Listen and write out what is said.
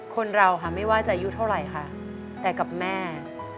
คนเราค่ะไม่ว่าจะอายุเท่าไหร่ค่ะแต่กับแม่